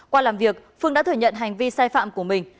qua làm việc phương đã thừa nhận hành vi sai phạm của mình